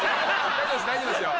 大丈夫です大丈夫ですよ。